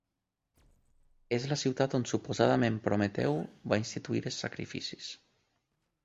És la ciutat on suposadament Prometeu va instituir els sacrificis.